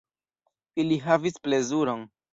Ili havis plezuron.